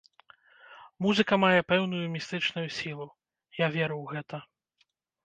Музыка мае пэўную містычную сілу, я веру ў гэта.